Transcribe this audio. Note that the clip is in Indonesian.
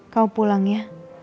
kau pulang ya